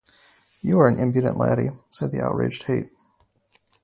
"You're an impudent laddie," said the outraged Haight.